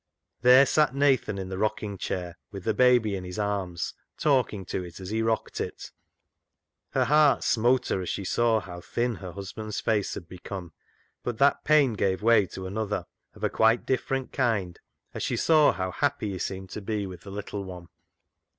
There sat Nathan in the rocking chair, with the baby in his arms, talking to it as he rocked it. Her heart smote her as she saw how thin her husband's face had become, but that pain gave way to another of a quite different kind as she saw how happy he seemed to be with the little one.